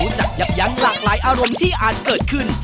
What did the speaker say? จากยับยั้งหลากหลายอารมณ์ที่อาจเกิดขึ้น